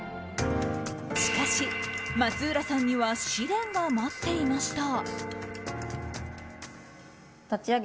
しかし松浦さんには試練が待っていました。